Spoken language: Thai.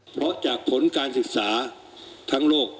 เพราะจากผลการศึกษาทั้งโลก